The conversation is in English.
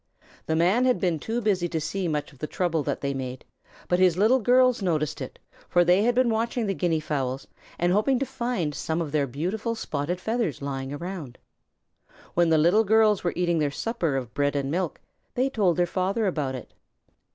The Man had been too busy to see much of the trouble that they made, but his Little Girls noticed it, for they had been watching the Guinea fowls and hoping to find some of their beautiful spotted feathers lying around. When the Little Girls were eating their supper of bread and milk, they told their father about it.